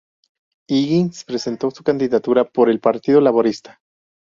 Higgins presentó su candidatura por el Partido Laborista.